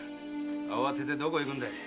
慌ててどこへ行くんでい。